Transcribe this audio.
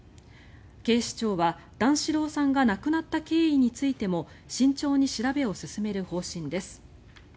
警視庁は段四郎さんが亡くなった経緯についても慎重に調べを進める方針です。